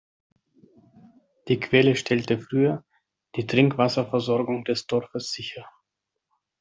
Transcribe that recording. Die Quelle stellte früher die Trinkwasserversorgung des Dorfes sicher.